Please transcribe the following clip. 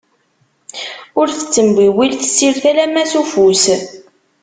Ur tettembiwil tessirt, alamma s ufus.